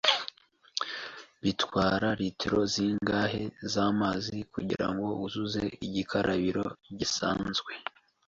Bitwara litiro zingahe zamazi kugirango wuzuze igikarabiro gisanzwe?